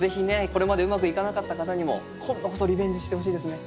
これまでうまくいかなかった方にも今度こそリベンジしてほしいですね。